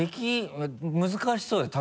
難しそうです